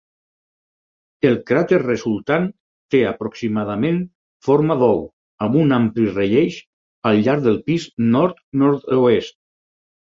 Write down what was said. El cràter resultant té aproximadament forma d'ou, amb un ampli relleix al llarg del pis nord-nord-oest.